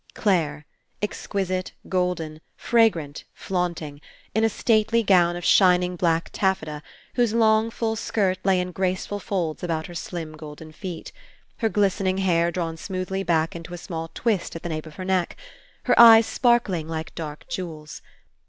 Clare, exquisite, golden, fragrant, flaunting, in a stately gown of shining black taffeta, whose long, full skirt lay in graceful folds about her slim golden feet; her glisten ing hair drawn smoothly back into a small twist at the nape of her neck; her eyes spar 134 RE ENCOUNTER kllng like dark jewels.